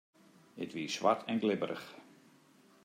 It wie swart en glibberich.